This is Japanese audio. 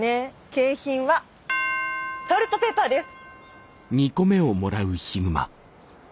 景品はトイレットペーパーです。